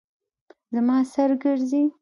زما سر ګرځي